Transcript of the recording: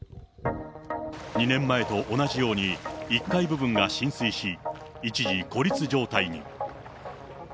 ２年前と同じように１階部分が浸水し、一時、孤立状態に。